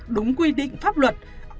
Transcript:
đúng quy định pháp luật